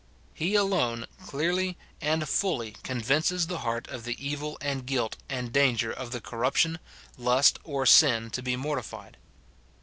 lie alone clearly and fully convinces the heart of the evil and guilt and danger of the corruption, lust, or sin to be mortified.